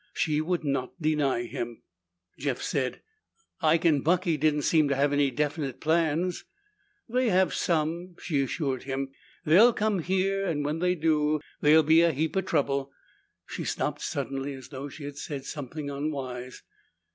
She would not deny him. Jeff said, "Ike and Bucky didn't seem to have any definite plans." "They have some," she assured him. "They'll come here, and when they do, there'll be a heap of trouble " She stopped suddenly, as though she had said something unwise.